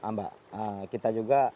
mbak kita juga